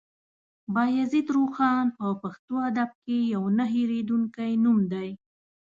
بايزيد روښان په پښتو ادب کې يو نه هېرېدونکی نوم دی.